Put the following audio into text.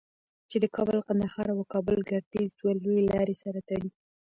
چې د کابل قندهار او کابل گردیز دوه لویې لارې سره تړي.